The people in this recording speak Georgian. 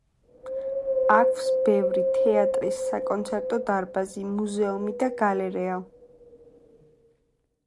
აქვს ბევრი: თეატრი, საკონცერტო დარბაზი, მუზეუმი და გალერეა.